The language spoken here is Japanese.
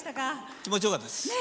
気持ちよかったです。